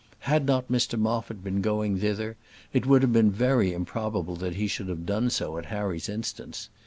Had not Mr Moffat been going thither it would have been very improbable that he should have done so at Harry's instance.